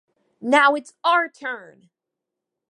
Now it's our turn!...